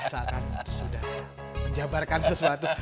seakan sudah menjabarkan sesuatu